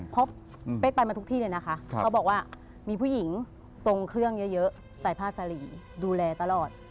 เพราะเป๊กไปมาทุกที่เลยนะคะเขาบอกว่ามีผู้หญิงทรงเครื่องเยอะใส่ผ้าสรีดูแลตลอด